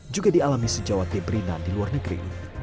juga dialami sejawat de brina di luar negeri